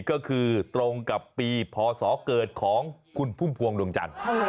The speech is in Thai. ก็คือตรงกับปีพศเกิดของคุณพุ่มพวงดวงจันทร์